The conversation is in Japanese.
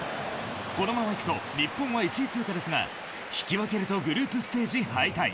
このままいくと日本は１位通過ですが引き分けるとグループステージ敗退。